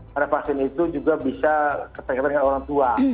karena vaksin itu juga bisa keterkaitan dengan orang tua